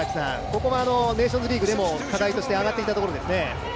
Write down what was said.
ここはネーションズリーグでも課題として上がっていたところですね。